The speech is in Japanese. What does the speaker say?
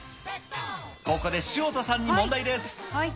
ここで潮田さんに問題です。